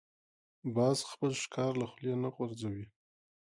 باز خپل ښکار له خولې نه غورځوي